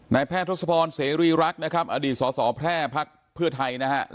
นายแพทย์ทศพรเสรีรักนะครับอดีตสอสอแพร่พักเพื่อไทยนะครับ